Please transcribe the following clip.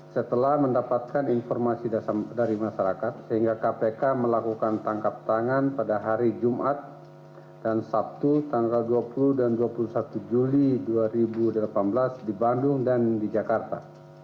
setelah mendapatkan informasi dari masyarakat sehingga kpk melakukan tangkap tangan pada hari jumat dan sabtu tanggal dua puluh dan dua puluh satu juli dua ribu delapan belas di bandung dan di jakarta